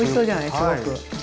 すごく。